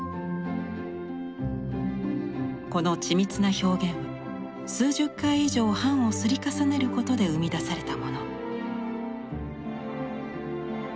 この緻密な表現は数十回以上版を摺り重ねることで生み出されたもの。